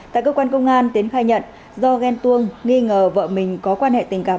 tại cơ quan công an tiến khai nhận do ghen tuông nghi ngờ vợ mình có quan hệ tình cảm